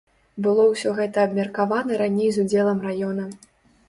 Было ўсё гэта абмеркавана раней з удзелам раёна.